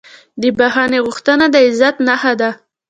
د بښنې غوښتنه د عزت نښه ده.